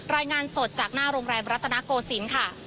รายงานสดจากหน้าโรงแรมรัตนโกศิลป์ค่ะ